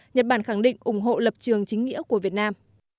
nhật bản khẳng định ủng hộ lập trường chính nghĩa của việt nam